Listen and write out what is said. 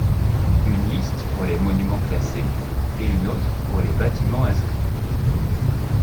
Une liste pour les monuments classés et une autre pour les bâtiments inscrits.